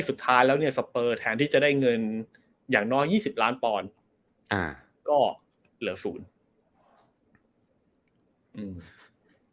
สุดท้ายแล้วเนี่ยตีจะได้เงินอย่างน้อย๒๐ล้านปอนก็เหลือศูนย์